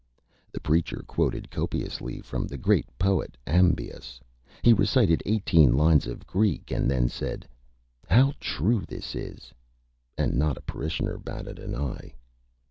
The Preacher quoted copiously from the Great Poet Amebius. He recited 18 lines of Greek and then said: "How true this is!" And not a Parishioner batted an Eye.